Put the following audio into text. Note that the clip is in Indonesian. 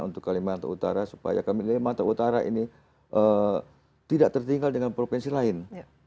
untuk kalimantan utara supaya kalimantan utara ini tidak tertinggal dengan provinsi lain